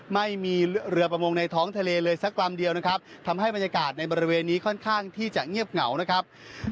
ไม่มีเรือประมงในท้องทะเลเลยสักลำเดียวนะครับทำให้บรรยากาศในบริเวณนี้ค่อนข้างที่จะเงียบเหงานะครับ